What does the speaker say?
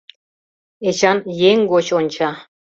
Эчан еҥ гоч онча.